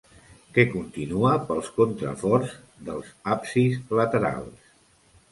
Què continua pels contraforts dels absis laterals?